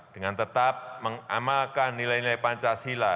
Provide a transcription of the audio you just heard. dengan tetap mengamalkan nilai nilai pancasila